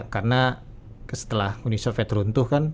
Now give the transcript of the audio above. karena setelah uni soviet teruntuh kan